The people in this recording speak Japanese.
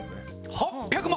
８００万？